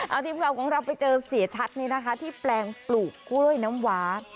เอาทีมข่าวของเราไปเจอเสียชัดนี่นะคะที่แปลงปลูกกล้วยน้ำหวา